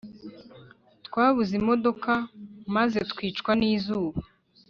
twabuze imodoka mazetwicwa n’izuba